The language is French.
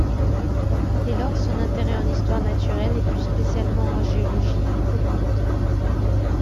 Dès lors son intérêt en histoire naturelle, et plus spécialement en géologie, augmente.